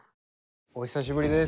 お久しぶりです。